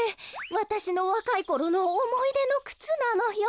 わたしのわかいころのおもいでのくつなのよ。